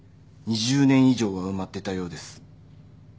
２０年以上は埋まってたようです。